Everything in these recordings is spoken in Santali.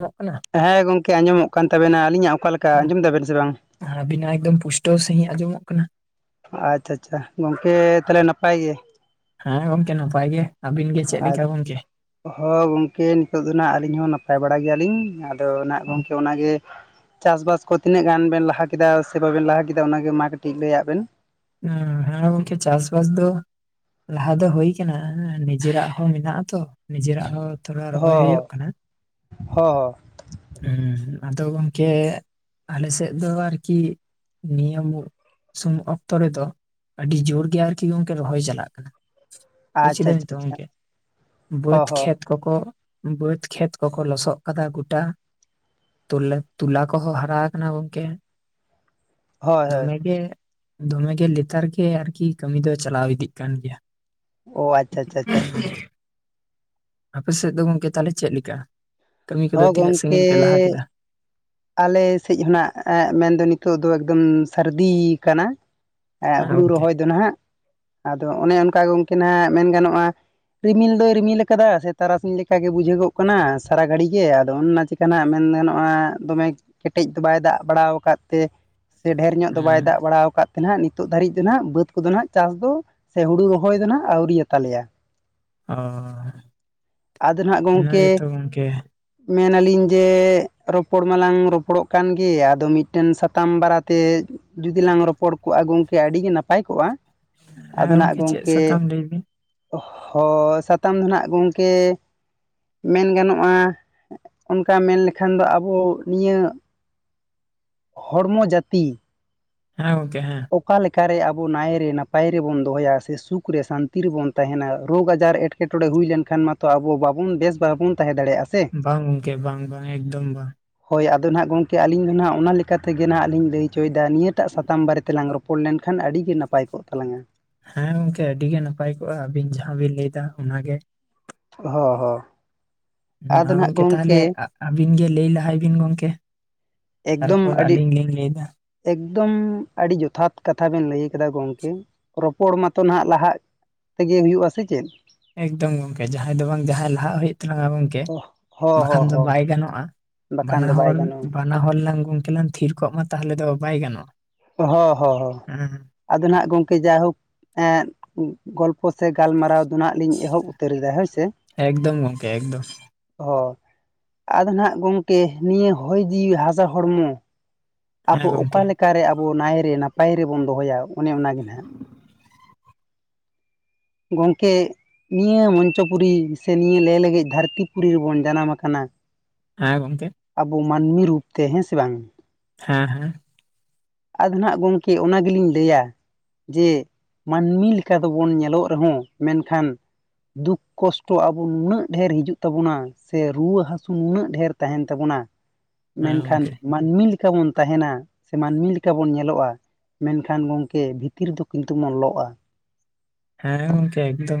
ᱟᱸᱡᱚᱢᱚᱜ ᱠᱟᱱᱟ ᱦᱮᱸ ᱜᱚᱝᱠᱮ ᱟᱸᱡᱚᱢᱚᱜ ᱠᱟᱱ ᱛᱟᱵᱮᱱᱟ ᱟᱹᱞᱤᱧᱟᱜ ᱚᱠᱟ ᱞᱮᱠᱟ ᱟᱸᱡᱚᱢ ᱫᱟᱵᱮᱱ ᱥᱮ ᱵᱟᱝ ᱾ ᱟᱵᱤᱱᱟᱜ ᱮᱠᱫᱚᱢ ᱯᱩᱥᱴᱟᱹᱣ ᱥᱟᱹᱦᱤᱡ ᱟᱸᱡᱚᱢᱚᱜ ᱠᱟᱱᱟ ᱾ ᱟᱪᱪᱷᱟ ᱟᱪᱪᱷᱟ ᱜᱚᱝᱠᱮ ᱛᱟᱦᱚᱞᱮ ᱱᱟᱯᱟᱭ ᱜᱮ ᱾ ᱦᱮᱸ ᱜᱚᱝᱠᱮ ᱱᱟᱯᱟᱭ ᱜᱮ ᱟᱹᱵᱤᱱ ᱜᱮ ᱪᱮᱫ ᱞᱮᱠᱟ ᱜᱚᱝᱠᱮ ᱾ ᱦᱚᱭ ᱜᱚᱝᱠᱮ ᱱᱤᱛᱚᱜ ᱫᱚ ᱦᱟᱸᱜ ᱟᱹᱞᱤᱧ ᱦᱚᱸ ᱱᱟᱯᱟᱭ ᱵᱟᱲᱟ ᱜᱮᱭᱟᱞᱤᱧ ᱾ ᱟᱫᱚ ᱱᱟᱜ ᱚ, ᱜᱚᱝᱠᱮ ᱚᱱᱟ ᱜᱮ ᱾ ᱪᱟᱥᱵᱟᱥ ᱠᱚ ᱛᱤᱱᱟᱹᱜ ᱜᱟᱱ ᱵᱮᱱ ᱞᱟᱦᱟ ᱠᱮᱫᱟ ᱥᱮ ᱵᱟᱵᱮᱱ ᱞᱟᱦᱟ ᱠᱮᱫᱟ ᱚᱱᱟᱜᱮ ᱢᱟ ᱠᱟᱹᱴᱤᱡ ᱞᱟᱹᱭᱟᱜ ᱵᱮᱱ ᱾ ᱦᱚ ᱦᱮᱸ ᱜᱚᱝᱠᱮ ᱪᱟᱥᱵᱟᱥ ᱫᱚ ᱾ ᱞᱟᱦᱟ ᱫᱚ ᱦᱳᱭ ᱠᱟᱱᱟ ᱱᱤᱡᱮᱨᱟᱜ ᱦᱚᱸ ᱢᱮᱱᱟᱜᱼᱟ ᱛᱚ ᱱᱤᱡᱮᱨᱟᱜ ᱦᱚᱸ ᱾ ᱦᱚ ᱦᱚ ᱾ ᱦᱮᱸ ᱟᱫᱚ ᱜᱚᱢᱠᱮ ᱟᱞᱮ ᱥᱮᱫ ᱫᱚ ᱟᱨᱠᱤ ᱱᱤᱭᱟᱹ ᱾ ᱥᱩᱱᱩ ᱚᱠᱛᱚ ᱨᱮᱫᱚ ᱟᱹᱰᱤ ᱡᱳᱨ ᱜᱮ ᱟᱨᱠᱤ ᱜᱚᱝᱠᱮ ᱨᱚᱦᱚᱭ ᱪᱟᱞᱟᱜ ᱠᱟᱱᱟ ᱾ ᱦᱚᱸ ᱵᱩᱪ ᱟᱪᱪᱷᱟ ᱠᱮᱫᱟ ᱵᱤᱱ ᱛᱚ ᱟᱪᱪᱷᱟ ᱟᱪᱪᱷᱟ ᱜᱚᱝᱠᱮ ᱦᱚᱸ ᱵᱟᱹᱫᱽ ᱦᱚᱸ ᱠᱷᱮᱛ ᱾ ᱠᱚᱠᱚ ᱵᱟᱹᱫᱽ ᱠᱷᱮᱛ ᱠᱚᱠᱚ ᱞᱚᱥᱚᱜ ᱠᱟᱫᱟ ᱜᱚᱴᱟ ᱾ ᱛᱩᱞᱟ ᱛᱩᱞᱟ ᱠᱚᱦᱚᱸ ᱦᱟᱨᱟ ᱟᱠᱟᱱᱟ ᱜᱚᱝᱠᱮ ᱦᱳᱭ ᱦᱳᱭ ᱫᱚᱢᱮ ᱜᱮ ᱾ ᱫᱚᱢᱮ ᱜᱮ ᱞᱮᱛᱟᱲ ᱜᱮ ᱟᱨᱠᱤ ᱠᱟᱹᱢᱤ ᱫᱚ ᱪᱟᱞᱟᱣ ᱤᱫᱤᱜ ᱠᱟᱱ ᱜᱮᱭᱟ ᱾ ᱚ ᱟᱪᱪᱷᱟ ᱪᱷᱟ ᱪᱷᱟ ᱪᱷᱟ᱾ ᱟᱯᱮ ᱥᱮᱫ ᱫᱚ ᱜᱚᱝᱠᱮ ᱛᱟᱦᱚᱞᱮ ᱪᱮᱫ ᱞᱮᱠᱟ ᱠᱟᱹᱢᱤ ᱠᱚᱫᱚ ᱦᱚᱸ ᱛᱤᱱᱟᱹᱜ ᱜᱚᱝᱠᱮ ᱥᱟᱹᱜᱤᱧ ᱯᱮ ᱞᱟᱦᱟ ᱠᱮᱫᱟ ᱾ ᱟᱞᱮ ᱥᱮᱫ ᱦᱚᱸ ᱱᱟᱜ ᱢᱮᱱᱫᱚ ᱱᱤᱛᱚᱜ ᱫᱚ ᱮᱠᱫᱚᱢ ᱥᱟᱹᱨᱫᱤ ᱠᱟᱱᱟ ᱾ ᱦᱮᱸ ᱦᱩᱲᱩ ᱜᱚᱝᱠᱮ ᱨᱚᱦᱚᱭ ᱫᱚ ᱱᱟᱜ ᱟᱫᱚ ᱚᱱᱮ ᱚᱱᱠᱟ ᱜᱚᱢᱠᱮ ᱦᱟᱸᱜ ᱢᱮᱱ ᱜᱟᱱᱚᱜᱼᱟ ᱾ ᱨᱤᱢᱤᱞ ᱫᱚᱭ ᱨᱤᱢᱤᱞ ᱟᱠᱟᱫᱟ ᱥᱮ ᱛᱟᱨᱟᱥᱤᱧ ᱞᱮᱠᱟ ᱜᱮ ᱵᱩᱡᱷᱟᱹᱜᱚᱜ ᱠᱟᱱᱟ ᱥᱟᱨᱟ ᱜᱷᱟᱹᱲᱤ ᱜᱮ ᱟᱫᱚ ᱚᱱ ᱪᱤᱠ ᱾ ᱠᱟᱱᱟ ᱢᱮᱱᱫᱟᱱᱚᱜᱼᱟ ᱾ ᱫᱚᱢᱮ ᱠᱮᱴᱮᱡ ᱫᱚ ᱵᱟᱭ ᱫᱟᱜ ᱵᱟᱲᱟ ᱟᱠᱟᱫ ᱛᱮ ᱥᱮ ᱰᱷᱮᱨ ᱧᱚᱜ ᱫᱚ ᱵᱟᱭ ᱦᱩᱸ ᱫᱟᱜ ᱵᱟᱲᱟ ᱟᱠᱟᱫ ᱾ ᱛᱮ ᱱᱟᱦᱟᱜ ᱱᱤᱛᱚᱜ ᱫᱷᱟᱹᱨᱤᱡ ᱫᱚ ᱱᱟᱦᱟᱜ ᱵᱟᱹᱫᱽ ᱠᱚᱫᱚ ᱱᱟᱦᱱᱟᱜ ᱪᱟᱥ ᱫᱚ ᱥᱮ ᱦᱩᱲᱩ ᱨᱚᱦᱚᱭ ᱫᱚ ᱱᱟᱦᱟᱜ ᱟᱹᱣᱨᱤᱭᱟᱛᱟᱞᱮᱭᱟ ᱾ ᱚ ᱟᱫᱚ ᱱᱟᱦᱟᱸᱜ ᱚᱱᱟ ᱜᱚᱝᱠᱮ ᱜᱮᱛᱚ ᱜᱚᱝᱠᱮ ᱾ ᱢᱮᱱᱟᱞᱤᱧ ᱡᱮ ᱨᱚᱯᱚᱲ ᱢᱟᱞᱟᱝ ᱨᱚᱯᱚᱲᱚᱜ ᱠᱟᱱ ᱟᱫᱚ ᱢᱤᱫᱴᱮᱱ ᱥᱟᱛᱟᱢ ᱵᱟᱨᱟᱛᱮ ᱾ ᱡᱩᱫᱤ ᱞᱟᱝ ᱨᱚᱯᱚᱲ ᱠᱚᱜᱼᱟ ᱜᱚᱝᱠᱮ ᱟᱹᱰᱤ ᱜᱮ ᱱᱟᱯᱟᱭ ᱠᱚᱜᱼᱟ ᱾ ᱦᱮᱸ ᱟᱫᱚ ᱱᱟᱜ ᱪᱮᱫ ᱜᱚᱝᱠᱮ ᱥᱟᱛᱟᱢ ᱞᱟᱹᱭ ᱵᱤᱱ ᱦᱚᱭ ᱥᱟᱛᱟᱢ ᱫᱚ ᱱᱟᱜ ᱜᱚᱝᱠᱮ ᱾ ᱢᱮᱱ ᱜᱟᱱᱚᱜᱼᱟ ᱚᱱᱠᱟ ᱢᱮᱱ ᱞᱮᱠᱷᱟᱱ ᱫᱚ ᱟᱵᱚ ᱱᱤᱭᱟᱹ ᱾ ᱦᱚᱲᱢᱚ ᱡᱟᱹᱛᱤ ᱾ ᱦᱮᱸ ᱜᱚᱝᱠᱮ ᱦᱮᱸ ᱾ ᱚᱠᱟ ᱞᱮᱠᱟ ᱨᱮ ᱟᱵᱚ ᱱᱟᱭᱨᱮ ᱱᱟᱯᱟᱭ ᱨᱮᱵᱚᱱ ᱫᱚᱦᱚᱭᱟ ᱥᱮ ᱥᱩᱠ ᱨᱮ ᱥᱟᱱᱛᱤ ᱨᱮᱵᱚᱱ ᱛᱟᱦᱮᱸᱱᱟ ᱨᱳᱜᱽ ᱟᱡᱟᱨ ᱮᱴᱠᱮᱴᱚᱬ ᱾ ᱮᱴᱠᱮᱴᱚᱲᱮ ᱦᱩᱭ ᱞᱮᱱᱠᱷᱟᱱ ᱢᱟᱛᱚ ᱟᱵᱚ ᱵᱟᱵᱚᱱ ᱵᱮᱥ ᱵᱟᱵᱚᱱ ᱛᱟᱦᱮᱸ ᱫᱟᱲᱮᱭᱟᱜᱼᱟ ᱾ ᱵᱟᱝ ᱜᱚᱝᱠᱮ ᱵᱟᱝ ᱵᱟᱝ ᱮᱠᱫᱚᱢ ᱵᱟᱝ ᱾ ᱦᱳᱭ ᱟᱫᱚ ᱱᱟᱦᱟᱜ ᱜᱚᱢᱠᱮ ᱟᱹᱞᱤᱧ ᱫᱚ ᱱᱟᱦᱟᱜ ᱚᱱᱟ ᱞᱮᱠᱟ ᱛᱮᱜᱮ ᱱᱟᱦᱟᱜ ᱞᱤᱧ ᱞᱟᱹᱭ ᱦᱚᱪᱚᱭᱮᱫᱟ ᱱᱤᱭᱟᱹᱴᱟᱜ ᱥᱟᱛᱟᱢ ᱵᱟᱨᱮ ᱛᱮ ᱾ ᱨᱚᱯᱚᱲ ᱞᱮᱱᱠᱷᱟᱱ ᱟᱹᱰᱤ ᱜᱮ ᱱᱟᱯᱟᱭ ᱠᱚᱜ ᱛᱟᱞᱟᱝᱟ ᱾ ᱦᱮᱸ ᱜᱚᱝᱠᱮ ᱟᱹᱰᱤ ᱜᱮ ᱱᱟᱯᱟᱭ ᱠᱚᱜᱼᱟ ᱟᱹᱵᱤᱱ ᱡᱟᱦᱟᱸ ᱵᱤᱱ ᱞᱟᱹᱭ ᱮᱫᱟ ᱚᱱᱟ ᱜᱮ ᱾ ᱦᱚᱸ ᱦᱚᱸ ᱾ ᱢᱟ ᱜᱚᱢᱠᱮ ᱛᱟᱦᱚᱞᱮ ᱟᱹᱵᱤᱱ ᱜᱮ ᱞᱟᱹᱭ ᱞᱟᱦᱟᱭ ᱵᱤᱱ ᱜᱚᱢᱠᱮ ᱾ ᱮᱠᱫᱚᱢ ᱟᱹᱰᱤ ᱾ ᱮᱠᱫᱚᱢ ᱟᱹᱰᱤ ᱡᱚᱛᱷᱟᱛ ᱠᱟᱛᱷᱟ ᱵᱮᱱ ᱞᱟᱹᱭ ᱠᱟᱫᱟ ᱜᱚᱢᱠᱮ ᱨᱚᱯᱚᱲ ᱢᱟᱛᱚ ᱱᱟᱦᱟᱜ ᱞᱟᱦᱟᱜ ᱾ ᱛᱮᱜᱮ ᱦᱩᱭᱩᱜᱼᱟ ᱥᱮ ᱪᱮᱫ ᱾ ᱮᱠᱫᱚᱢ ᱜᱚᱝᱠᱮ ᱡᱟᱦᱟᱸᱭ ᱫᱚ ᱵᱟᱝ ᱡᱟᱦᱟᱸᱭ ᱞᱟᱦᱟᱜ ᱦᱩᱭᱩᱜ ᱛᱟᱞᱟᱝᱟ ᱜᱚᱝᱠᱮ ᱾ ᱠᱮ ᱚ ᱦᱚᱸ ᱦᱚᱸ ᱵᱟᱠᱷᱟᱱ ᱫᱚ ᱦᱚᱸ ᱵᱟᱭ ᱜᱟᱱᱚᱜᱼᱟ ᱵᱟᱠᱷᱟᱱ ᱵᱟᱱᱟ ᱫᱚ ᱵᱟᱭ ᱦᱚᱲ ᱜᱟᱱᱚᱜᱼᱟ ᱾ ᱵᱟᱱᱟ ᱦᱚᱲᱞᱟᱝ ᱜᱚᱝᱠᱮ ᱞᱟᱝ ᱛᱷᱤᱨ ᱠᱚᱜ ᱢᱟ ᱛᱟᱦᱚᱞᱮ ᱫᱚ ᱵᱟᱭ ᱜᱟᱱᱚᱜᱼᱟ ᱾ ᱦᱚᱸ ᱦᱚᱸ ᱟᱫᱚ ᱦᱟᱸᱜ ᱜᱚᱢᱠᱮ ᱡᱟᱭᱦᱳᱠ ᱾ ᱮᱜ ᱜᱚᱞᱯᱚ ᱥᱮ ᱜᱟᱞᱢᱟᱨᱟᱣ ᱫᱚ ᱞᱤᱧ ᱮᱦᱚᱵ ᱩᱛᱟᱹᱨ ᱮᱟ ᱦᱳᱭ ᱥᱮ ᱾ ᱮᱠᱫᱚᱢ ᱜᱚᱢᱠᱮ ᱮᱠᱫᱚᱢ ᱾ ᱚ ᱟᱫᱚ ᱱᱟᱦᱟᱜ ᱜᱚᱝᱠᱮ ᱱᱤᱭᱟᱹ ᱦᱚᱭ ᱡᱤᱣᱤ ᱦᱟᱥᱟ ᱦᱚᱲᱢᱚ ᱾ ᱦᱮᱸ ᱟᱵᱚ ᱚᱠᱟ ᱜᱚᱝᱠᱮ ᱞᱮᱠᱟᱨᱮ ᱟᱵᱚ ᱱᱟᱭᱨᱮ ᱱᱟᱯᱟᱭ ᱨᱮ ᱵᱚᱱ ᱫᱚᱦᱚᱭᱟ ᱚᱱᱮ ᱚᱱᱟᱜᱮ ᱱᱟᱦᱟᱜ [inaudible] ᱜᱚᱝᱠᱮ ᱱᱤᱭᱟᱹ ᱢᱚᱧᱪᱚᱯᱩᱨᱤ ᱥᱮ ᱱᱤᱭᱟᱹ ᱞᱮ ᱞᱮᱜᱮᱡ ᱫᱷᱟᱹᱨᱛᱤ ᱯᱩᱨᱤ ᱨᱮᱵᱚᱱ ᱡᱟᱱᱟᱢ ᱟᱠᱟᱱᱟ᱾ ᱮᱸ ᱜᱚᱝᱠᱮ ᱟᱵᱚ ᱢᱟᱱᱢᱤ ᱨᱩᱯ ᱛᱮ ᱦᱮᱸ ᱥᱮ ᱵᱟᱝ ᱦᱮᱸ ᱦᱮᱸ ᱟᱫᱚ ᱱᱟᱜ ᱜᱚᱝᱠᱮ ᱚᱱᱟ ᱜᱮᱞᱤᱧ ᱞᱟᱹᱭᱟ᱾ ᱡᱮ ᱢᱟᱹᱱᱢᱤ ᱞᱮᱠᱟ ᱫᱚᱵᱚᱱ ᱧᱮᱞᱚᱜ ᱨᱮᱦᱚᱸ ᱢᱮᱱᱠᱷᱟᱱ ᱫᱩᱠ ᱠᱚᱥᱴᱚ ᱟᱵᱚ ᱱᱩᱱᱟᱹᱜ ᱰᱷᱮᱨ ᱦᱤᱡᱩᱜ ᱛᱟᱵᱩᱱᱟ ᱥᱮ ᱨᱩᱣᱟᱹ ᱦᱟᱹᱥᱩ ᱱᱩᱱᱟᱹᱜ ᱰᱷᱮᱨ ᱛᱟᱦᱮᱱ ᱛᱟᱵᱚᱱᱟ᱾ ᱦᱮᱸ ᱢᱮᱱᱠᱷᱟᱱ ᱜᱚᱝᱠᱮ ᱢᱟᱹᱱᱢᱤ ᱞᱮᱠᱟ ᱵᱚᱱ ᱛᱟᱦᱮᱱᱟ ᱥᱮ ᱢᱟᱹᱱᱢᱤ ᱞᱮᱠᱟ ᱵᱚᱱ ᱧᱮᱞᱚᱜ-ᱟ᱾ ᱢᱮᱱᱠᱷᱟᱱ ᱜᱚᱝᱠᱮ ᱵᱷᱤᱛᱤᱨ ᱫᱚ ᱠᱤᱱᱛᱩ ᱵᱚᱱ ᱞᱚᱜ-ᱟ᱾ ᱦᱮᱸ ᱜᱚᱝᱠᱮ ᱮᱠᱫᱚᱢ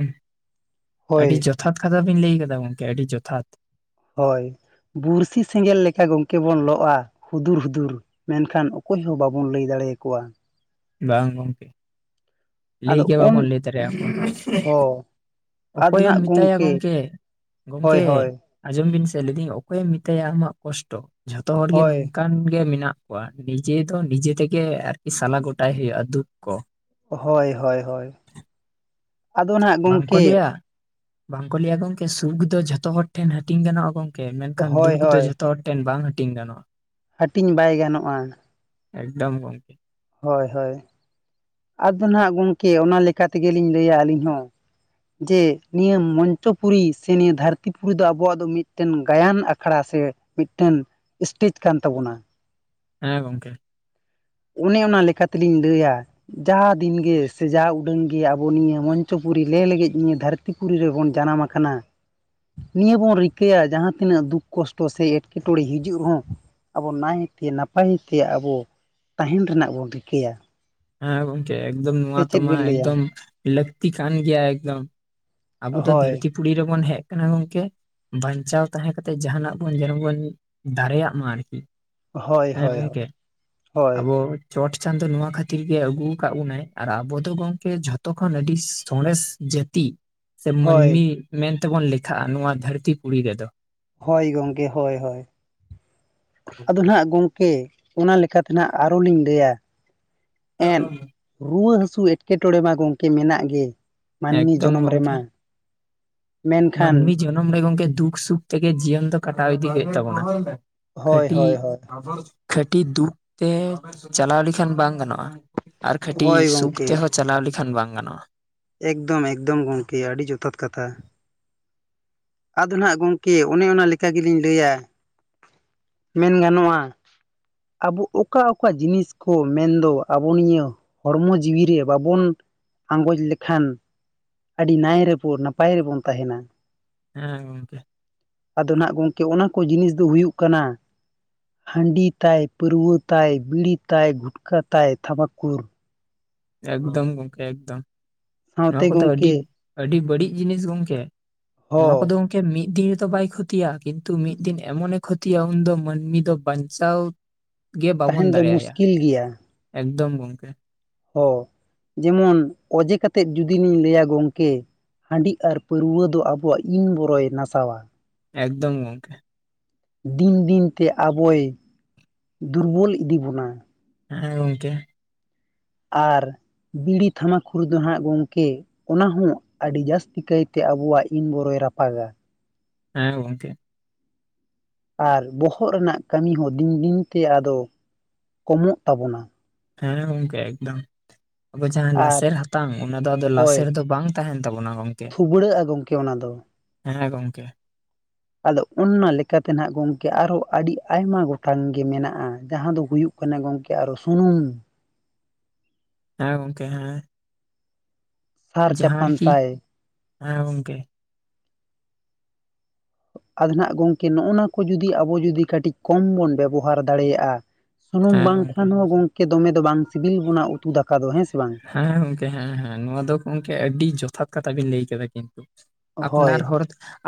ᱟᱹᱰᱤ ᱦᱳᱭ ᱡᱚᱛᱷᱟᱛ ᱠᱟᱛᱷᱟ ᱵᱤᱱ ᱞᱟᱹᱭ ᱠᱟᱫᱟ ᱜᱚᱝᱠᱮ ᱟᱹᱰᱤ ᱡᱚᱛᱷᱟᱛ ᱦᱳᱭ ᱵᱩᱬᱥᱤ ᱥᱮᱸᱜᱮᱞ ᱞᱮᱠᱟ ᱜᱚᱝᱠᱮ ᱵᱚᱱ ᱞᱚᱜ-ᱟ᱾ ᱦᱩᱫᱩᱨ ᱦᱩᱫᱩᱨ ᱢᱮᱱᱠᱷᱟᱱ ᱚᱠᱚᱭ ᱦᱚᱸ ᱵᱟᱵᱚᱱ ᱞᱟᱹᱭ ᱫᱟᱲᱮ ᱭᱟᱠᱚᱣᱟ᱾ ᱵᱟᱝ ᱜᱚᱝᱠᱮ ᱞᱟᱹᱭ ᱟᱫᱚ ᱜᱮ ᱚᱱ ᱵᱟᱵᱚᱱ ᱞᱟᱹᱭ ᱫᱟᱨᱮ ᱭᱟᱠᱚᱣᱟ ᱦᱚᱸ ᱟᱫᱚ ᱚᱠᱚᱭᱮᱢ ᱱᱟᱜ ᱢᱮᱛᱟᱭᱟ ᱜᱚᱝᱠᱮ ᱦᱳᱭ ᱜᱚᱝᱠᱮ ᱦᱳᱭ ᱟᱸᱡᱚᱢ ᱵᱤᱱ ᱥᱮ ᱞᱮᱫᱤᱧ ᱚᱠᱚᱭᱮᱢ ᱢᱮᱛᱟᱭᱟ ᱟᱢᱟᱜ ᱠᱚᱥᱴᱚ ᱡᱷᱚᱛᱚ ᱦᱚᱲᱜ ᱜᱮ ᱦᱳᱭ ᱱᱚᱝᱠᱟ ᱠᱟᱱ ᱜᱮ ᱢᱮᱱᱟᱜ ᱠᱚᱣᱟ ᱱᱤᱡᱮ ᱫᱚ ᱱᱤᱡᱮ ᱛᱮᱜᱮ ᱟᱨᱠᱤ ᱥᱟᱞᱟ ᱜᱚᱴᱟᱭ ᱦᱩᱭᱩᱜᱼᱟ ᱫᱩᱠ ᱠᱚ ᱦᱳᱭ ᱦᱳᱭ ᱦᱳᱭ ᱟᱫᱚ ᱱᱟᱜ ᱵᱟᱝᱠᱚ ᱜᱚᱝᱠᱮ ᱞᱟᱹᱭᱟ ᱵᱟᱝᱠᱚ ᱞᱟᱹᱭᱟ ᱜᱚᱝᱠᱮ ᱥᱩᱠ ᱫᱚ ᱡᱷᱚᱛᱚ ᱦᱚᱲ ᱴᱷᱮᱱ ᱦᱟᱹᱴᱤᱧ ᱜᱟᱱᱚᱜ-ᱟ ᱜᱚᱝ ᱠᱮ ᱢᱮᱱᱠᱷᱟᱱ ᱦᱳᱭ ᱫᱩᱠ ᱫᱚ ᱦᱳᱭ ᱡᱷᱚᱛᱚ ᱦᱚᱲ ᱴᱷᱮᱱ ᱵᱟᱝ ᱦᱟᱹᱴᱤᱧ ᱜᱟᱱᱚᱜ-ᱟ᱾ ᱦᱟᱹᱴᱤᱧ ᱵᱟᱭ ᱜᱟᱱᱚᱜ-ᱟ᱾ ᱮᱠᱫᱚᱢ ᱜᱚᱝᱠᱮ ᱦᱳᱭ ᱦᱳᱭ ᱟᱫᱚ ᱱᱟᱜ ᱜᱚᱝᱠᱮ ᱚᱱᱟ ᱞᱮᱠᱟ ᱛᱮᱜᱮ ᱞᱤᱧ ᱞᱟᱹᱭᱟ ᱟᱞᱤᱧ ᱦᱚᱸ ᱡᱮ ᱱᱤᱭᱟᱹ ᱢᱚᱧᱪᱚ ᱯᱩᱨᱤ ᱥᱮ ᱱᱤᱭᱟᱹ ᱫᱷᱟᱹᱨᱛᱤ ᱯᱩᱨᱤ ᱫᱚ ᱟᱵᱚᱣᱟᱜ ᱫᱚ ᱢᱤᱫᱴᱮᱱ ᱜᱟᱭᱟᱱ ᱟᱠᱷᱲᱟ ᱥᱮ ᱢᱤᱫᱴᱮᱱ ᱥᱴᱮᱡᱽ ᱠᱟᱱ ᱛᱟᱵᱚᱱᱟ᱾ ᱦᱮᱸ ᱜᱚᱝᱠᱮ ᱚᱱᱮ ᱚᱱᱟ ᱞᱮᱠᱟ ᱛᱮᱞᱤᱧ ᱞᱟᱹᱭᱟ, ᱡᱟ ᱫᱤᱱᱜᱮ ᱥᱮ ᱡᱟ ᱩᱰᱟᱹᱝ ᱜᱮ ᱟᱵᱚ ᱱᱤᱭᱟᱹ ᱢᱚᱧᱪᱚ ᱯᱩᱨᱤ ᱞᱮ ᱞᱮᱜᱮᱡ ᱱᱤᱭᱟᱹ ᱫᱷᱟᱨ ᱛᱤ ᱯᱤ ᱨᱮᱵᱚᱱ ᱡᱟᱱᱟᱢ ᱟᱠᱟᱱᱟ, ᱱᱤᱭᱟᱹ ᱵᱚᱱ ᱨᱤᱠᱟᱹᱭᱟ ᱡᱟᱦᱟᱸ ᱛᱤᱱᱟᱹᱜ ᱫᱩᱠ ᱠᱚᱥᱴᱚ ᱥᱮ ᱮᱴᱠᱮ ᱴᱚᱬᱮ ᱦᱤᱡᱩᱜ ᱨᱮᱦᱚᱸ ᱟᱵᱚ ᱱᱟᱭᱛᱮ ᱱᱟᱯᱟᱭ ᱛᱮ ᱟᱵᱚ ᱛᱟᱦᱮᱱ ᱨᱮᱱᱟᱜ ᱵᱚᱱ ᱨᱤᱠᱟᱹᱭᱟ᱾ ᱦᱮᱸ ᱜᱚᱝᱠᱮ ᱮᱠᱫᱚᱢ ᱱᱚᱣᱟ ᱥᱮ ᱛᱚ ᱪᱮᱫ ᱢᱟ ᱵᱤᱱ ᱞᱟᱹᱭᱟ ᱮᱠᱫᱚᱢ ᱞᱟᱹᱠᱛᱤ ᱠᱟᱱ ᱜᱮᱭᱟ ᱮᱠᱫᱚᱢ᱾ ᱟᱵᱚ ᱦᱳᱭ ᱫᱷᱟᱹᱲᱛᱤ ᱯᱩᱲᱤ ᱨᱮᱵᱚᱱ ᱦᱮᱜ ᱠᱟᱱᱟ ᱜᱚᱝᱠᱮ? ᱵᱟᱧᱪᱟᱣ ᱛᱟᱦᱮᱸ ᱠᱟᱛᱮ ᱡᱟᱦᱟᱱᱟᱜ ᱵᱚᱱ ᱡᱮᱱᱚ ᱵᱚᱱ ᱫᱟᱲᱮᱭᱟᱜ ᱢᱟ ᱟᱨᱠᱤ ᱦᱳᱭ ᱦᱮᱸ ᱦᱳᱭ ᱦᱳᱭ ᱜᱚᱝᱠᱮ ᱦᱳᱭ ᱟᱵᱚ ᱪᱚᱴ ᱪᱟᱸᱫᱚ ᱱᱚᱣᱟ ᱠᱷᱟᱹᱛᱤᱨ ᱜᱮ ᱟᱹᱜᱩ ᱠᱟᱜ ᱵᱚᱱᱟᱭ ᱟᱨ ᱟᱵᱚ ᱫᱚ ᱜᱚᱝᱠᱮ ᱡᱷᱚᱛᱚ ᱠᱷᱚᱱ ᱟᱹᱰᱤ ᱥᱚᱬᱮᱥ ᱡᱟᱹᱛᱤ ᱥᱮ ᱦᱳᱭ ᱢᱟᱹᱱᱢᱤ ᱢᱮᱱ ᱛᱮᱵᱚᱱ ᱞᱮᱠᱷᱟᱜ-ᱟ ᱱᱚᱣᱟ ᱫᱷᱟᱹᱲᱛᱤ ᱯᱩᱲᱤ ᱨᱮᱫᱚ᱾ ᱦᱳᱭ ᱜᱚᱝᱠᱮ ᱦᱳᱭ ᱦᱳᱭ ᱟᱫᱚ ᱱᱟᱜ ᱜᱚᱝᱠᱮ ᱚᱱᱟ ᱞᱮᱠᱟᱛᱮ ᱱᱟᱜ ᱟᱨᱚ ᱞᱤᱧ ᱞᱟᱹᱭᱟ ᱮᱫ ᱨᱩᱣᱟᱹ ᱦᱟᱹᱥᱩ ᱮᱸᱴᱠᱮᱴᱚᱬᱮ ᱢᱟ ᱜᱚᱝᱠᱮ ᱢᱮᱱᱟᱜ ᱜᱮ ᱢᱟᱹᱱᱢᱤ ᱮᱠᱫᱚᱢ ᱡᱚᱱᱚᱢ ᱨᱮᱢᱟ ᱜᱚᱝᱠᱮ ᱢᱮᱱᱠᱷᱟᱱ ᱢᱟᱹᱱᱢᱤ ᱡᱚᱱᱚᱢ ᱨᱮ ᱜᱚᱝᱠᱮ ᱫᱩᱠ ᱥᱩᱠ ᱛᱮᱜᱮ ᱡᱤᱭᱚᱱ ᱫᱚ ᱠᱟᱴᱟᱣ ᱤᱫᱤ ᱦᱩᱭᱩᱜ ᱛᱟᱵᱚᱱᱟ ᱦᱳᱭ ᱠᱷᱟᱹᱴᱤ ᱦᱳᱭ ᱦᱳᱭ ᱠᱷᱟᱹᱴᱤ ᱫᱩᱠ ᱛᱮ ᱪᱟᱞᱟᱣ ᱞᱮᱠᱷᱟᱱ ᱵᱟᱝ ᱜᱟᱱᱚᱜ-ᱟ ᱟᱨ ᱠᱷᱟᱹᱴᱤ ᱦᱳᱭ ᱥᱩᱠ ᱜᱚᱝᱠᱮ ᱛᱮᱦᱚᱸ ᱪᱟᱞᱟᱣ ᱞᱮᱠᱷᱟᱱ ᱵᱟᱝ ᱜᱟᱱᱚᱜ-ᱟ ᱮᱠᱫᱚᱢ ᱮᱠᱫᱚᱢ ᱜᱚᱝᱠᱮ ᱟᱹᱰᱤ ᱡᱚᱛᱷᱟᱛ ᱠᱟᱛᱷᱟ ᱟᱫᱚ ᱱᱟᱜ ᱜᱚᱝᱠᱮ ᱚᱱᱮ ᱚᱱᱟ ᱞᱮᱠᱟ ᱜᱮᱞᱤᱧ ᱞᱟᱹᱭᱟ ᱢᱮᱱ ᱜᱟᱱᱚᱟ ᱟᱵᱚ ᱚᱠᱟ ᱚᱠᱟ ᱡᱤᱱᱤᱥ ᱠᱚ ᱢᱮᱱᱫᱚ ᱟᱵᱚ ᱱᱤᱭᱟᱹ ᱦᱚᱲᱢᱚ ᱡᱤᱣᱤᱨᱮ ᱵᱟᱵᱚᱱ ᱟᱸᱜᱚᱡᱽ ᱞᱮᱠᱷᱟᱱ ᱟᱹᱰᱤ ᱱᱟᱭ ᱨᱮᱵᱚ ᱱᱟᱯᱟᱭ ᱨᱮᱵᱚᱱ ᱛᱟᱦᱮᱱᱟ ᱦᱮᱸ ᱜᱚᱝᱠᱮ ᱟᱫᱚ ᱱᱟᱦᱟᱸᱜ ᱜᱚᱢᱠᱮ ᱚᱱᱟ ᱠᱚ ᱡᱤᱱᱤᱥ ᱫᱚ ᱦᱩᱭᱩᱜ ᱠᱟᱱᱟ ᱦᱟᱺᱰᱤ ᱛᱟᱭ ᱯᱟᱹᱨᱣᱟᱹ ᱛᱟᱭ ᱵᱤᱲᱤ ᱛᱟᱭ ᱜᱩᱴᱠᱟ ᱛᱟᱭ ᱛᱷᱟᱢᱟᱠᱩᱨ ᱮᱠᱫᱚᱢ ᱜᱚᱝᱠᱮ ᱮᱠᱫᱚᱢ ᱱᱚᱣᱟ ᱥᱟᱶᱛᱮ ᱠᱚᱫᱚ ᱟᱹᱰᱤ ᱜᱚᱢᱠᱮ ᱟᱹᱰᱤ ᱵᱟᱹᱲᱤᱡ ᱡᱤᱱᱤᱥ ᱜᱚᱝᱠᱮ ᱱᱚᱣᱟ ᱠᱚᱫᱚ ᱦᱚ ᱜᱚᱢᱠᱮ ᱢᱤᱫ ᱫᱤᱱ ᱨᱮᱛᱚ ᱵᱟᱭ ᱠᱷᱚᱛᱤᱭᱟ ᱠᱤᱱᱛᱩ ᱢᱤᱫ ᱫᱤᱱ ᱮᱢᱚᱱ ᱮᱠ ᱠᱷᱚᱛᱤᱭᱟ ᱩᱱᱫᱚ ᱢᱟᱹᱱᱢᱤ ᱫᱚ ᱵᱟᱧᱪᱟᱣ ᱜᱮ ᱵᱟᱵᱚᱱ ᱛᱟᱦᱮᱱ ᱫᱚ ᱫᱟᱲᱮᱼᱟᱭᱟ ᱢᱩᱥᱠᱤᱞ ᱮᱠᱫᱚᱢ ᱜᱚᱢᱠᱮ ᱦᱚᱸ ᱡᱮᱢᱚᱱ ᱚᱡᱮ ᱠᱟᱛᱮᱫ ᱡᱩᱫᱤ ᱞᱤᱧ ᱞᱟᱹᱭᱟ ᱜᱚᱢᱠᱮ ᱦᱟᱺᱰᱤ ᱟᱨ ᱯᱟᱹᱨᱣᱟᱹ ᱫᱚ ᱟᱵᱚᱣᱟᱜ ᱤᱱ ᱵᱚᱨᱚᱭ ᱱᱟᱥᱟᱣᱟ ᱮᱠᱫᱚᱢ ᱜᱚᱢᱠᱮ ᱫᱤᱱ ᱫᱤᱱᱛᱮ ᱟᱵᱚᱭ ᱫᱩᱨᱵᱚᱞ ᱤᱫᱤ ᱵᱚᱱᱟ ᱦᱮᱸ ᱜᱚᱝᱠᱮ ᱟᱨ ᱵᱤᱲᱤ ᱛᱷᱟᱢᱟᱠᱩᱨ ᱫᱚ ᱦᱟᱸᱜ ᱜᱚᱢᱠᱮ ᱚᱱᱟ ᱦᱚᱸ ᱟᱹᱰᱤ ᱡᱟᱹᱥᱛᱤ ᱠᱟᱭᱛᱮ ᱟᱵᱚᱣᱟᱜ ᱤᱱ ᱵᱚᱨᱚᱭ ᱨᱟᱯᱟᱜᱟ ᱦᱮᱸ ᱜᱚᱢᱠᱮ ᱟᱨ ᱵᱚᱦᱚᱜ ᱨᱮᱱᱟᱜ ᱠᱟᱹᱢᱤ ᱦᱚᱸ ᱫᱤᱱ ᱫᱤᱱ ᱛᱮ ᱟᱫᱚ ᱠᱚᱢᱚᱜ ᱛᱟᱵᱚᱱᱟ ᱦᱮᱸ ᱜᱚᱝᱠᱮ ᱮᱠᱫᱚᱢ ᱟᱵᱚ ᱡᱟᱦᱟᱸ ᱟᱨ ᱞᱟᱥᱮᱨ ᱦᱟᱛᱟᱝ ᱚᱱᱟ ᱫᱚ ᱟᱫᱚ ᱞᱟᱥᱮᱨ ᱫᱚ ᱵᱟᱝ ᱛᱟᱦᱮᱸᱱ ᱛᱟᱵᱚᱱᱟ ᱜᱚᱝᱠᱮ ᱯᱷᱩᱵᱲᱟᱹᱜᱼᱟ ᱜᱚᱢᱠᱮ ᱚᱱᱟ ᱫᱚ ᱦᱮᱸ ᱜᱚᱝᱠᱮ ᱟᱫᱚ ᱚᱱᱟ ᱞᱮᱠᱟᱛᱮ ᱱᱟᱦᱟᱸᱜ ᱜᱚᱢᱠᱮ ᱟᱨᱦᱚᱸ ᱟᱹᱰᱤ ᱟᱭᱢᱟ ᱜᱚᱴᱟᱝ ᱜᱮ ᱢᱮᱱᱟᱜᱼᱟ ᱡᱟᱦᱟᱸ ᱫᱚ ᱦᱩᱭᱩᱜ ᱠᱟᱱᱟ ᱠᱟᱱᱟ ᱜᱚᱝᱠᱮ ᱟᱨ ᱦᱚᱸ ᱥᱩᱱᱩᱢ ᱦᱮᱸ ᱜᱚᱝᱠᱮ ᱦᱮᱸ ᱥᱟᱨ ᱡᱟᱦᱟᱸ ᱪᱟᱯᱟᱱ ᱠᱤ ᱛᱟᱭ ᱦᱮᱸ ᱜᱚᱝᱠᱮ ᱟᱫᱚ ᱱᱟᱦᱟᱸᱜ ᱜᱚᱢᱠᱮ ᱱᱚᱜᱼᱚ ᱱᱚᱣᱟ ᱠᱚ ᱡᱩᱫᱤ ᱟᱵᱚ ᱡᱩᱫᱤ ᱠᱟᱹᱴᱤᱡ ᱠᱚᱢ ᱵᱚᱱ ᱵᱮᱵᱚᱦᱟᱨ ᱫᱟᱲᱮᱭᱟᱜᱼᱟ ᱥᱩᱱᱩᱢ ᱦᱮᱸ ᱜᱚᱝᱠᱮ ᱵᱟᱝᱠᱷᱟᱱ ᱦᱚᱸ ᱜᱚᱝᱠᱮ ᱫᱚᱢᱮ ᱫᱚ ᱵᱟᱝ ᱥᱤᱵᱤᱞ ᱵᱚᱱᱟ ᱩᱛᱩ ᱫᱟᱠᱟ ᱫᱚ ᱦᱮᱸ ᱥᱮ ᱵᱟᱝ ᱦᱮᱸ ᱜᱚᱝᱠᱮ ᱦᱮᱸ ᱦᱮᱸ ᱱᱚᱣᱟ ᱫᱚ ᱜᱚᱝᱠᱮ ᱟᱹᱰᱤ ᱡᱚᱛᱷᱟᱛ ᱠᱟᱛᱷᱟ ᱵᱮᱱ ᱞᱟᱹᱭ ᱠᱮᱫᱟ ᱠᱤᱱᱛᱩ ᱦᱳᱭ ᱟᱯᱱᱟᱨ ᱦᱚᱲ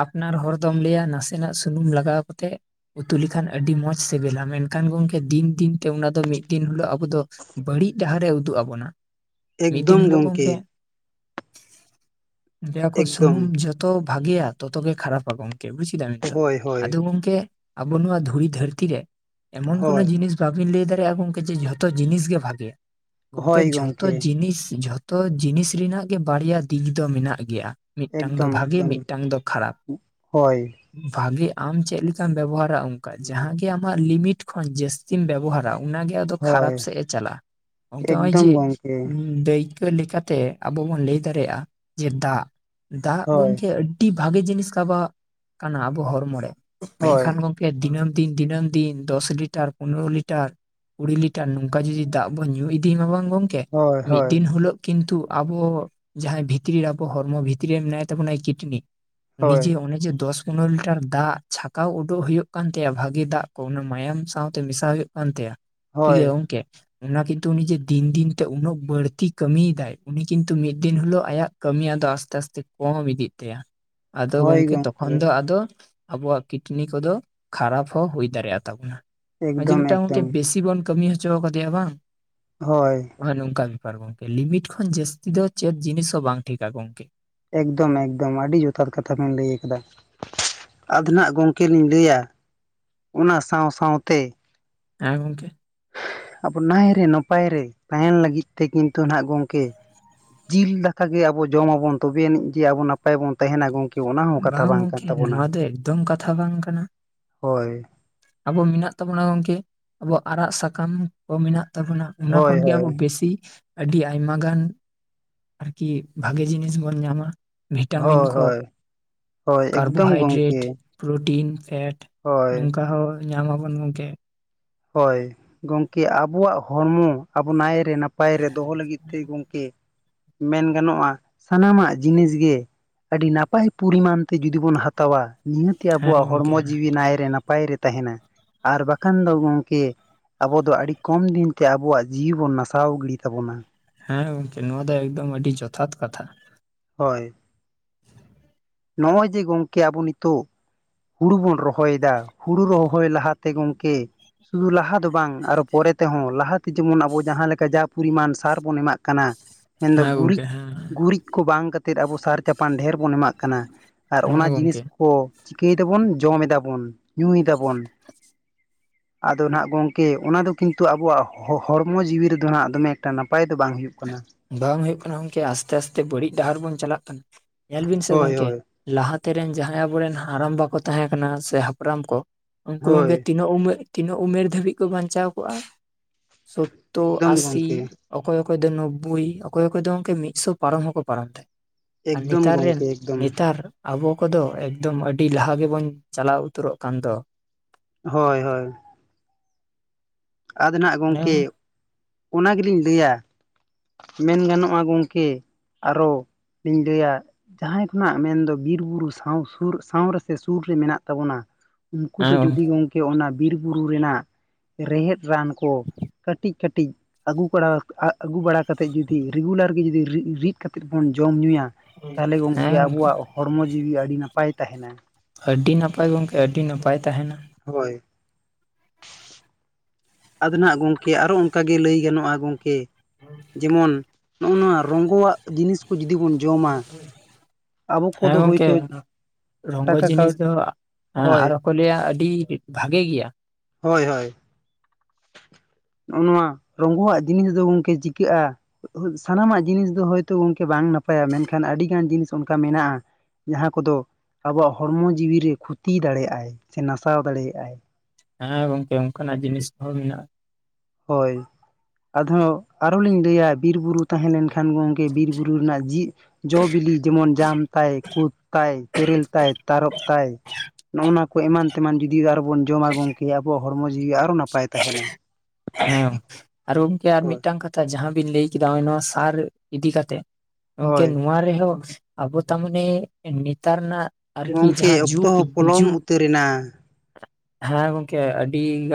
ᱟᱯᱱᱟᱨ ᱦᱚᱲ ᱫᱚᱢ ᱞᱟᱹᱭᱟ ᱱᱟᱥᱮᱱᱟᱜ ᱥᱩᱱᱩᱢ ᱞᱟᱜᱟᱣ ᱠᱟᱛᱮᱜ ᱩᱛᱩ ᱞᱮᱠᱷᱟᱱ ᱟᱹᱰᱤ ᱢᱚᱡᱽ ᱥᱤᱵᱤᱞᱟ ᱢᱮᱱᱠᱷᱟᱱ ᱜᱚᱢᱠᱮ ᱫᱤᱱ ᱫᱤᱱ ᱛᱮ ᱚᱱᱟ ᱫᱚ ᱢᱤᱫ ᱫᱤᱱ ᱦᱤᱞᱚᱜ ᱟᱵᱚ ᱫᱚ ᱵᱟᱹᱲᱤᱡ ᱰᱟᱦᱟᱨᱮ ᱩᱫᱩᱜ ᱟᱵᱚᱱᱟ ᱢᱤᱫ ᱫᱤᱱ ᱮᱠᱫᱚᱢ ᱦᱤᱞᱳᱜ ᱜᱚᱢᱠᱮ ᱜᱚᱝᱠᱮ ᱞᱟᱹᱭᱟ ᱠᱚ ᱮᱠᱫᱚᱢ ᱥᱩᱱᱩᱢ ᱡᱚᱛᱚ ᱵᱷᱟᱜᱮᱭᱟ ᱛᱚᱛᱚ ᱜᱮ ᱠᱷᱟᱨᱟᱯᱟ ᱜᱚᱝᱠᱮ ᱠᱮ ᱵᱩᱡᱽ ᱠᱮᱫᱟᱵᱮᱱ ᱛᱚ ᱦᱳᱭ ᱦᱳᱭ ᱟᱫᱚ ᱜᱚᱝᱠᱮ ᱟᱵᱚ ᱱᱚᱣᱟ ᱫᱷᱩᱲᱤ ᱫᱷᱟᱹᱨᱛᱤ ᱨᱮ ᱮᱢᱚᱱ ᱠᱳᱱᱳ ᱦᱳᱭ ᱡᱤᱱᱤᱥ ᱵᱟᱮᱱ ᱞᱟᱹᱭ ᱫᱟᱲᱮᱭᱟᱜᱼᱟ ᱜᱚᱝᱠᱮ ᱡᱮ ᱡᱚᱛᱚ ᱡᱤᱱᱤᱥ ᱜᱮ ᱵᱷᱟᱜᱮᱭᱟ ᱜᱚᱝᱠᱮ ᱦᱳᱭ ᱡᱚ ᱜᱚᱢᱠᱮ ᱡᱤᱱᱤᱥ ᱡᱚᱛᱚ ᱡᱤᱱᱤᱥ ᱨᱮᱱᱟᱜ ᱜᱮ ᱵᱟᱹᱲᱤᱡᱼᱟᱜ ᱫᱤᱠ ᱫᱚ ᱢᱮᱱᱟᱜ ᱜᱮᱭᱟ ᱢᱤᱫᱴᱟᱝ ᱫᱚ ᱮᱠᱫᱚᱢ ᱵᱷᱟᱜᱮ ᱮᱠᱫᱚᱢ ᱢᱤᱫᱴᱟᱝ ᱫᱚ ᱠᱷᱟᱨᱟᱯ ᱦᱳᱭ ᱵᱷᱟᱜᱤ ᱟᱢ ᱪᱮᱫ ᱞᱮᱠᱟᱢ ᱵᱮᱵᱚᱦᱟᱨᱟ ᱚᱱᱠᱟ ᱡᱟᱦᱟᱸᱜᱮ ᱟᱢᱟᱜ ᱞᱤᱢᱤᱴ ᱠᱷᱚᱱ ᱡᱟᱹᱥᱛᱤᱢ ᱵᱮᱵᱚᱦᱟᱨᱟ ᱚᱱᱟᱜᱮ ᱟᱫᱚ ᱦᱳᱭ ᱠᱷᱟᱨᱟᱯ ᱥᱮᱫ ᱮ ᱪᱟᱞᱟᱜᱼᱟ ᱜᱚᱝᱠᱮ ᱱᱚᱜᱼᱚᱭ ᱡᱮ ᱮᱠᱫᱚᱢ ᱜᱚᱢᱠᱮ ᱫᱟᱹᱭ ᱟᱹ ᱞᱮᱠᱟᱛᱮ ᱟᱵᱚ ᱵᱚᱱ ᱞᱟᱹᱭ ᱫᱟᱲᱮᱭᱟᱜᱼᱟ ᱡᱮ ᱫᱟᱜ ᱫᱟᱜ ᱦᱳᱭ ᱜᱚᱢᱠᱮ ᱟᱹᱰᱤ ᱟᱹᱰᱤ ᱵᱷᱟᱜᱤ ᱡᱤᱱᱤᱥ ᱠᱟᱵᱟ ᱠᱟᱱᱟ ᱟᱵᱚ ᱦᱚᱲᱢᱚ ᱨᱮ ᱦᱳᱭ ᱢᱮᱱᱠᱷᱟᱱ ᱫᱤᱱᱟᱹᱢ ᱫᱤᱱ ᱫᱤᱱᱟᱹᱢ ᱫᱤᱱ ᱫᱚᱥ ᱞᱤᱴᱟᱨ ᱯᱚᱱᱮᱨᱚ ᱞᱤᱴᱟᱨ ᱠᱩᱲᱤ ᱞᱤᱴᱟᱨ ᱱᱚᱝᱠᱟ ᱡᱩᱫᱤ ᱫᱟᱜ ᱵᱚᱱ ᱧᱩ ᱤᱫᱤ ᱢᱟ ᱵᱟᱝ ᱜᱚᱝᱠᱮ ᱦᱳᱭ ᱢᱤᱫ ᱦᱳᱭ ᱫᱤᱱ ᱦᱤᱞᱚᱜ ᱠᱤᱱᱛᱩ ᱟᱵᱚ ᱡᱟᱦᱟᱸᱭ ᱵᱷᱤᱛᱨᱤ ᱨᱮ ᱟᱵᱚ ᱦᱚᱲᱢᱚ ᱵᱷᱤᱛᱨᱤ ᱨᱮ ᱢᱮᱱᱟᱭ ᱛᱟᱵᱚᱱᱟᱭ ᱠᱤᱰᱱᱤ ᱩᱱᱤ ᱦᱳᱭ ᱡᱮ ᱩᱱᱤ ᱡᱮ ᱫᱚᱥ ᱩᱱᱚ ᱞᱤᱴᱟᱨ ᱫᱟᱜ ᱪᱷᱟᱠᱟᱣ ᱩᱰᱩᱜ ᱦᱩᱭᱩᱜ ᱠᱟᱱ ᱛᱟᱭᱟ ᱵᱷᱟᱜᱤ ᱫᱟᱜ ᱠᱚ ᱚᱱᱟ ᱢᱟᱭᱟᱢ ᱥᱟᱶᱛᱮ ᱢᱮᱥᱟ ᱦᱩᱭᱩᱜ ᱠᱟᱱ ᱛᱟᱭᱟ ᱴᱷᱤᱠ ᱦᱳᱭ ᱜᱮᱭᱟ ᱜᱚᱝᱠᱮ ᱚᱱᱟ ᱠᱤᱱᱛᱩ ᱩᱱᱤ ᱩᱱᱤᱡᱮ ᱫᱤᱱ ᱫᱤᱱ ᱛᱮ ᱩᱱᱟᱹᱜ ᱵᱟᱹᱲᱛᱤᱭ ᱠᱟᱹᱢᱤᱭᱮᱫᱟᱭ ᱩᱱᱤ ᱠᱤᱱᱛᱩ ᱢᱤᱫ ᱫᱤᱱ ᱦᱤᱞᱚᱜ ᱟᱭᱟᱜ ᱠᱟᱹᱢᱤᱭᱟᱜ ᱫᱚ ᱟᱥᱛᱮ ᱟᱥᱛᱮ ᱠᱚᱢ ᱤᱫᱤ ᱟᱫᱚ ᱜᱚᱢᱠᱮ ᱛᱚᱠᱷᱚᱱ ᱫᱚ ᱟᱫᱚ ᱟᱵᱚᱣᱟᱜ ᱠᱤᱰᱱᱤ ᱠᱚᱫᱚ ᱠᱷᱟᱨᱟᱯ ᱦᱚᱸ ᱦᱩᱭ ᱫᱟᱲᱮᱭᱟᱜ ᱛᱟᱵᱚᱱᱟ ᱾ ᱟᱨ ᱡᱩᱫᱤ ᱮᱠᱫᱚᱢ ᱢᱤᱫᱴᱟᱝ ᱜᱚᱢᱠᱮ ᱮᱠᱫᱚᱢ ᱵᱮᱥᱤ ᱵᱚᱱ ᱠᱟᱹᱢᱤ ᱦᱚᱪᱚ ᱟᱠᱟᱫᱮᱭᱟ ᱵᱟᱝ ᱦᱳᱭ ᱾ ᱱᱚᱜ ᱱᱚᱢᱠᱟ ᱵᱮᱯᱟᱨ ᱜᱚᱝᱠᱮ ᱞᱤᱢᱤᱴ ᱠᱷᱚᱱ ᱡᱟᱹᱥᱛᱤ ᱫᱚ ᱪᱮᱫ ᱡᱤᱱᱤᱥ ᱦᱚᱸ ᱵᱟᱝ ᱴᱷᱤᱠᱟ ᱜᱚᱢᱠᱮ ᱾ ᱮᱠᱫᱚᱢ ᱮᱠᱫᱚᱢ ᱟᱹᱰᱤ ᱡᱚᱛᱷᱟᱛ ᱠᱟᱛᱷᱟ ᱵᱤᱱ ᱞᱟᱹᱭ ᱟᱠᱟᱫᱟ ᱾ ᱟᱫᱱᱟᱜ ᱜᱚᱢᱠᱮ ᱞᱤᱧ ᱞᱟᱹᱭᱟ ᱚᱱᱟ ᱥᱟᱶ ᱥᱟᱶ ᱛᱮ ᱦᱮᱸ ᱜᱚᱢᱠᱮ ᱾ ᱟᱵᱚ ᱱᱟᱭᱨᱮ ᱱᱟᱯᱟᱭ ᱨᱮ ᱛᱟᱸᱦᱮᱱ ᱞᱟᱹᱜᱤᱫ ᱛᱮ ᱠᱤᱱᱛᱩ ᱱᱟᱜ ᱜᱚᱢᱠᱮ ᱡᱤᱞ ᱫᱟᱠᱟ ᱜᱮ ᱟᱵᱚ ᱡᱚᱢᱟᱵᱚᱱ ᱛᱚᱵᱮ ᱟᱹᱱᱤᱡ ᱡᱮ ᱟᱵᱚ ᱱᱟᱯᱟᱭ ᱵᱚᱱ ᱛᱟᱸᱦᱮᱱᱟ ᱜᱚᱝᱠᱮ ᱚᱱᱟ ᱦᱚᱸ ᱠᱟᱛᱷᱟ ᱵᱟᱝ ᱠᱟᱱ ᱜᱚᱝᱠᱮ ᱛᱟᱵᱚᱱᱟ, ᱱᱚᱣᱟ ᱫᱚ ᱮᱠᱫᱚᱢ ᱠᱟᱛᱷᱟ ᱵᱟᱝ ᱠᱟᱱᱟ ᱦᱳᱭ ᱾ ᱟᱵᱚ ᱢᱮᱱᱟᱜ ᱛᱟᱵᱚᱱᱟ ᱜᱚᱢᱠᱮ ᱟᱵᱚᱣᱟᱜ ᱟᱲᱟᱜ ᱥᱟᱠᱟᱢ ᱾ ᱠᱚ ᱢᱮᱱᱟᱜ ᱛᱟᱵᱚᱱᱟ ᱚᱱᱟ ᱦᱳᱭ ᱠᱷᱚᱱ ᱜᱮ ᱦᱳᱭ ᱟᱵᱚ ᱵᱮᱥᱤ ᱟᱹᱰᱤ ᱟᱭᱢᱟ ᱜᱟᱱ ᱟᱨᱠᱤ ᱵᱷᱟᱜᱮ ᱡᱤᱱᱤᱥ ᱵᱚᱱ ᱧᱟᱢᱟ ᱾ ᱵᱷᱤᱴᱟᱢᱤᱱ ᱦᱳᱭ ᱠᱚ ᱦᱳᱭ ᱦᱳᱭ ᱮᱠᱫᱚᱢ ᱠᱟᱨᱵᱳᱦᱟᱭᱰᱨᱮᱴ ᱜᱚᱢᱠᱮ ᱯᱨᱳᱴᱤᱱ, ᱯᱷᱮᱴ ᱾ ᱦᱳᱭ ᱱᱚᱝᱠᱟ ᱦᱚᱸ ᱧᱟᱢ ᱟᱵᱚᱱ ᱜᱚᱢᱠᱮ ᱾ ᱦᱳᱭ ᱜᱚᱢᱠᱮ ᱟᱵᱚᱣᱟᱜ ᱦᱚᱲᱢᱚ ᱟᱵᱚ ᱱᱟᱭ ᱨᱮ ᱱᱟᱯᱟᱭ ᱨᱮ ᱫᱚᱦᱚ ᱞᱟᱹᱜᱤᱫ ᱛᱮ ᱜᱚᱢᱠᱮ ᱢᱮᱱ ᱜᱟᱱᱚᱜᱼᱟ ᱥᱟᱱᱟᱢᱟᱜ ᱡᱤᱱᱤᱥ ᱜᱮ ᱟᱹᱰᱤ ᱱᱟᱯᱟᱭ ᱯᱚᱨᱤᱢᱟᱱ ᱛᱮ ᱡᱩᱫᱤ ᱵᱚᱱ ᱦᱟᱛᱟᱣᱼᱟ ᱱᱤᱭᱟᱹᱛᱮᱜᱮ ᱦᱮᱸ ᱟᱵᱚᱣᱟᱜ ᱜᱚᱝᱠᱮ ᱦᱚᱲᱢᱚ ᱡᱤᱣᱤ ᱱᱟᱭ ᱨᱮ ᱱᱟᱯᱟᱭ ᱨᱮ ᱛᱟᱸᱦᱮᱱᱟ ᱟᱨ ᱵᱟᱠᱷᱟᱱ ᱫᱚ ᱜᱚᱢᱠᱮ ᱟᱵᱚ ᱫᱚ ᱟᱹᱰᱤ ᱠᱚᱢ ᱫᱤᱱ ᱛᱮ ᱟᱵᱚᱣᱟᱜ ᱡᱤᱣᱤ ᱵᱚᱱ ᱱᱟᱥᱟᱣ ᱜᱤᱰᱤ ᱛᱟᱵᱚᱱᱟ ᱾ ᱦᱮᱸ ᱜᱚᱢᱠᱮ ᱱᱚᱣᱟ ᱫᱚ ᱮᱠᱫᱚᱢ ᱟᱹᱰᱤ ᱡᱚᱛᱷᱟᱛ ᱠᱟᱛᱷᱟ ᱾ ᱦᱳᱭ ᱾ ᱱᱚᱜᱼᱚᱭ ᱡᱮ ᱜᱚᱢᱠᱮ ᱟᱵᱚ ᱱᱤᱛᱚᱜ ᱦᱩᱲᱩ ᱵᱚᱱ ᱨᱚᱦᱚᱭᱮᱫᱟ ᱦᱩᱲᱩ ᱨᱚᱦᱚᱭ ᱞᱟᱦᱟ ᱛᱮ ᱜᱚᱢᱠᱮ ᱥᱩᱫᱷᱩ ᱞᱟᱦᱟ ᱫᱚ ᱵᱟᱝ ᱟᱨᱚ ᱯᱚᱨᱮ ᱛᱮᱦᱚᱸ ᱞᱟᱦᱟ ᱛᱮ ᱡᱮᱢᱚᱱ ᱟᱵᱚ ᱡᱟᱦᱟᱸ ᱞᱮᱠᱟ ᱡᱟ ᱯᱚᱨᱤᱢᱟᱱ ᱥᱟᱨ ᱵᱚᱱ ᱮᱢᱟᱜ ᱠᱟᱱᱟ, ᱢᱮᱱᱫᱚ ᱦᱮᱸ ᱜᱚᱝᱠᱮ ᱜᱩᱨᱤᱡ ᱦᱮᱸ ᱜᱩᱨᱤᱡ, ᱠᱚ ᱵᱟᱝ ᱠᱟᱛᱮᱫ ᱟᱵᱚ ᱥᱟᱨ ᱪᱟᱯᱟᱱ ᱰᱷᱮᱨ ᱵᱚᱱ ᱮᱢᱟᱜ ᱠᱟᱱᱟ ᱟᱨ ᱦᱮᱸ ᱚᱱᱟ ᱡᱤᱱᱤᱥ ᱜᱚᱝᱠᱮ ᱠᱚ ᱪᱤᱠᱟᱹᱭ ᱫᱟᱵᱚᱱ? ᱡᱚᱢ ᱮᱫᱟᱵᱚᱱ ᱧᱩᱭ ᱮᱫᱟᱵᱚᱱ ᱾ [inaudible] ᱟᱫᱚ ᱱᱟᱜ ᱜᱚᱢᱠᱮ ᱚᱱᱟ ᱫᱚ ᱠᱤᱱᱛᱩ ᱟᱵᱚᱣᱟᱜ ᱦᱚᱲᱢᱚ ᱡᱤᱣᱤ ᱨᱮᱫᱚ ᱱᱟᱜ ᱫᱚᱢᱮ ᱮᱠᱴᱟ ᱱᱟᱯᱟᱭ ᱫᱚ ᱵᱟᱝ ᱦᱩᱭᱩᱜ ᱠᱟᱱᱟ ᱾ ᱵᱟᱝ ᱦᱩᱭᱩᱜ ᱠᱟᱱᱟ ᱜᱚᱢᱠᱮ ᱟᱥᱛᱮ ᱟᱥᱛᱮ ᱵᱟᱹᱲᱤᱡ ᱰᱟᱦᱟᱨ ᱵᱚᱱ ᱪᱟᱞᱟᱜ ᱠᱟᱱᱟ? ᱧᱮᱞ ᱵᱤᱱ ᱥᱮ ᱦᱳᱭ ᱜᱚᱢᱠᱮ ᱦᱳᱭ ᱾ ᱞᱟᱦᱟᱛᱮᱱ ᱡᱟᱦᱟᱸᱭ ᱟᱵᱚᱨᱮᱱ ᱦᱟᱲᱟᱢ ᱵᱟ ᱠᱚ ᱛᱟᱦᱮᱸ ᱠᱟᱱᱟ ᱥᱮ ᱦᱟᱯᱲᱟᱢ ᱠᱚ, ᱩᱱᱠᱩ ᱦᱳᱭ ᱛᱤᱱᱟᱹᱜ ᱛᱤᱱᱟᱹᱜ ᱩᱢᱮᱨ ᱫᱷᱟᱹᱵᱤᱡ ᱠᱚ ᱵᱟᱧᱪᱟᱣ ᱠᱚᱜᱼᱟ? ᱥᱳᱛᱛᱳᱨ, ᱮᱠᱫᱚᱢ ᱟᱥᱤ ᱜᱚᱢᱠᱮ ᱾ ᱚᱠᱚᱭ ᱚᱠᱚᱭ ᱫᱚ ᱱᱳᱵᱵᱳᱭ ᱚᱠᱚᱭ ᱚᱠᱚᱭ ᱫᱚ ᱢᱤᱫ ᱥᱚ ᱯᱟᱨᱚᱢ ᱦᱚᱸᱠᱚ ᱯᱟᱨᱚᱢ ᱛᱟᱦᱮᱸᱫ ᱾ ᱟᱨ ᱮᱠᱫᱚᱢ ᱱᱮᱛᱟᱨ ᱨᱮᱱ ᱜᱚᱢᱠᱮ ᱮᱠᱫᱚᱢ ᱱᱮᱛᱟᱨ ᱟᱵᱚ ᱠᱚᱫᱚ ᱮᱠᱫᱚᱢ ᱟᱹᱰᱤ ᱞᱟᱦᱟ ᱜᱮᱵᱚᱱ ᱪᱟᱞᱟᱣ ᱩᱛᱟᱹᱨᱚᱜ ᱠᱟᱱ ᱫᱚ ᱾ ᱦᱳᱭ ᱦᱳᱭ ᱾ ᱟᱫᱚ ᱱᱟᱦᱟᱜ ᱚᱱᱮ ᱜᱚᱢᱠᱮ ᱚᱱᱟ ᱜᱮᱞᱤᱧ ᱞᱟᱹᱭᱟ, ᱢᱮᱱ ᱜᱟᱱᱚᱜᱼᱟ ᱜᱚᱢᱠᱮ ᱟᱨᱚ ᱡᱩᱫᱤ ᱞᱤᱧ ᱞᱟᱹᱭᱟ ᱡᱟᱦᱟᱸᱭ ᱠᱷᱚᱱᱟᱜ ᱢᱮᱱᱫᱚ ᱵᱤᱨ ᱵᱩᱨᱩ ᱥᱟᱶ ᱥᱩᱨ ᱥᱟᱶ ᱨᱮᱥᱮ ᱥᱩᱨ ᱨᱮ ᱢᱮᱱᱟᱜ ᱛᱟᱵᱚᱱᱟ, ᱩᱱᱠᱩ ᱫᱚ ᱦᱮᱸ ᱡᱩᱫᱤ ᱜᱚᱢᱠᱮ ᱚᱱᱟ ᱵᱤᱨ ᱵᱩᱨᱩ ᱨᱮᱱᱟᱜ ᱨᱮᱸᱦᱮᱫ ᱨᱟᱱ ᱠᱚ ᱠᱟᱹᱴᱤᱡ ᱠᱟᱹᱴᱤᱡ ᱟᱹᱜᱩ ᱵᱟᱲᱟ ᱟᱹᱜᱩ ᱵᱟᱲᱟ ᱠᱟᱛᱮᱫ ᱡᱩᱫᱤ ᱨᱮᱜᱩᱞᱟᱨ ᱜᱮ ᱡᱩᱫᱤ ᱨᱤᱫ ᱨᱤᱫ ᱠᱟᱛᱮᱫ ᱵᱚᱱ ᱡᱚᱢ ᱧᱩᱭᱟ ᱛᱟᱦᱚᱞᱮ ᱜᱚᱢᱠᱮ ᱦᱮᱸ ᱟᱵᱚᱣᱟᱜ ᱦᱚᱲᱢᱚ ᱡᱤᱣᱤ ᱟᱹᱰᱤ ᱱᱟᱯᱟᱭ ᱛᱟᱸᱦᱮᱱᱟ ᱾ ᱟᱹᱰᱤ ᱱᱟᱯᱟᱭ ᱜᱚᱢᱠᱮ ᱟᱹᱰᱤ ᱱᱟᱯᱟᱭ ᱛᱟᱸᱦᱮᱱᱟ ᱾ ᱦᱳᱭ ᱾ ᱟᱫᱚ ᱱᱟᱜ ᱜᱚᱢᱠᱮ ᱟᱨᱚ ᱚᱱᱠᱟᱜᱮ ᱞᱟᱹᱭ ᱜᱟᱱᱚᱜᱼᱟ ᱜᱚᱢᱠᱮ ᱡᱮᱢᱚᱱ ᱱᱚᱜᱼᱚ ᱱᱚᱣᱟ ᱨᱚᱝᱜᱚᱣᱟᱜ ᱡᱤᱱᱤᱥ ᱡᱚᱫᱤ ᱵᱚᱱ ᱡᱚᱢᱟ [inaudible] ᱟᱵᱚ ᱦᱮᱸ ᱠᱚᱫᱚ ᱜᱚᱝᱠᱮ ᱦᱳᱭᱛᱳ ᱨᱚᱝᱜᱚ ᱴᱟᱠᱟ ᱠᱟᱹᱣᱰᱤ ᱡᱤᱱᱤᱥ ᱫᱚ ᱦᱮᱸ ᱦᱳᱭ ᱟᱨᱦᱚ ᱠᱚ ᱞᱟᱹᱭᱟ ᱟᱹᱰᱤ ᱵᱷᱟᱜᱮ ᱜᱮᱭᱟ᱾ ᱦᱚᱭ ᱦᱚᱭ ᱱᱚᱜᱼᱚ ᱱᱚᱣᱟ ᱨᱚᱝᱜᱚ ᱣᱟᱜ ᱡᱤᱱᱤᱥ ᱫᱚ ᱜᱚᱝᱠᱮ ᱪᱤᱠᱟᱹᱜᱼᱟ ᱥᱟᱱᱟᱢᱟᱜ ᱡᱤᱱᱤᱥ ᱫᱚ ᱦᱳᱭᱛᱳ ᱜᱚᱝᱠᱮ ᱵᱟᱝ ᱱᱟᱯᱟᱭᱟ ᱢᱮᱱᱠᱷᱟᱱ ᱟᱹᱰᱤᱜᱟᱱ ᱡᱤᱱᱤᱥ ᱚᱱᱠᱟ ᱢᱮᱱᱟᱜᱼᱟ ᱡᱟᱦᱟᱸ ᱠᱚᱫᱚ ᱟᱵᱚᱣᱟᱜ ᱦᱚᱲᱢᱚ ᱡᱤᱣᱤᱨᱮ ᱠᱷᱚᱛᱤ ᱫᱟᱲᱮᱭᱟᱜᱟᱭ, ᱥᱮ ᱱᱟᱥᱟᱣ ᱫᱟᱲᱮᱭᱟᱜᱟᱭ᱾ ᱦᱮᱸ ᱜᱚᱝᱠᱮ ᱚᱱᱠᱟᱱᱟᱜ ᱡᱤᱱᱤᱥ ᱠᱚᱦᱚᱸ ᱢᱮᱱᱟᱜᱼᱟ᱾ ᱦᱳᱭ ᱟᱫᱷᱚᱸ ᱟᱨᱚᱸ ᱞᱤᱧ ᱞᱟᱹᱭᱟ ᱵᱤᱨ ᱵᱩᱨᱩ ᱛᱟᱦᱮᱸ ᱞᱮᱱᱠᱷᱟᱱ ᱜᱚᱝᱠᱮ ᱵᱤᱨ ᱵᱩᱨᱩ ᱨᱮᱱᱟᱜ ᱡᱤᱵ ᱡᱚ ᱵᱤᱞᱤ ᱡᱮᱢᱚᱱ ᱡᱟᱢ ᱛᱟᱭ ᱠᱩᱫ ᱛᱟᱭ ᱛᱮᱨᱮᱞ ᱛᱟᱭ ᱛᱟᱨᱚᱯ ᱛᱟᱭ ᱱᱚᱜᱼ ᱱᱟ ᱠᱚ ᱮᱢᱟᱱ ᱛᱮᱢᱟᱱ ᱡᱩᱫᱤ ᱟᱨᱚ ᱵᱚᱱ ᱡᱚᱢᱟ ᱜᱚᱢᱠᱮ ᱟᱵᱚ ᱦᱚᱲᱢᱚ ᱡᱤᱣᱤ ᱟᱨᱚ ᱱᱟᱯᱟᱭ ᱛᱟᱦᱮᱱᱟ᱾ ᱦᱮᱸ ᱜᱚᱝ ᱟᱨᱚ ᱜᱚᱢᱠᱮ ᱟᱨ ᱦᱳᱭ ᱢᱤᱫᱴᱟᱝ ᱠᱟ ᱡᱟᱦᱟᱸ ᱵᱤᱱ ᱞᱟᱹᱭ ᱠᱮᱫᱟ ᱦᱚᱸᱜ-ᱚᱭ ᱱᱚᱣᱟ ᱥᱟᱨ ᱤᱫᱤ ᱠᱟᱛᱮᱜ ᱜᱚᱝᱠᱮ ᱦᱳᱭ ᱱᱚᱣᱟ ᱨᱮᱦᱚᱸ ᱟᱵᱚ ᱛᱟ ᱢᱟᱱᱮ ᱱᱮᱛᱟᱨ ᱱᱟᱜ ᱟᱨᱠᱤ ᱜᱚᱢᱠᱮ ᱡᱟᱦᱟᱸ ᱚᱠᱛᱚ ᱡᱩᱜᱽ ᱦᱚᱸ ᱯᱚᱞᱚᱢ ᱡᱩᱜᱽ ᱩᱛᱟᱹᱨᱮᱱᱟ ᱦᱮᱸ ᱜᱚᱝᱠᱮ ᱟᱹᱰᱤ ᱜᱟ